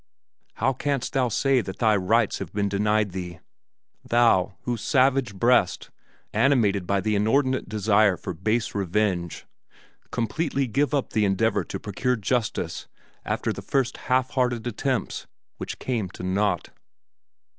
How canst thou say that thy rights have been denied thee thou, whose savage breast, animated by the inordinate desire for base revenge, completely gave up the endeavor to procure justice after the first half hearted attempts, which came to naught?